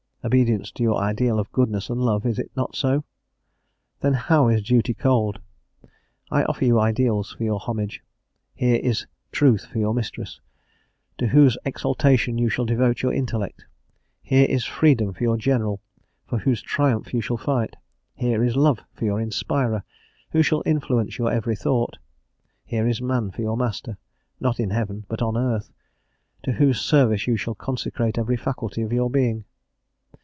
Obedience to your ideal of goodness and love, is it not so? Then how is duty cold? I offer you ideals for your homage: here is Truth for your Mistress, to whose exaltation you shall devote your intellect; here is Freedom for your General, for whose triumph you shall fight; here is Love for your Inspirer, who shall influence your every thought; here is Man for your Master not in heaven but on earth to whose service you shall consecrate every faculty of your being.